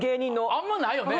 あんまないよね。